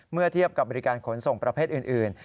เมื่อเทียบกับบริการขนส่งประเภทอื่น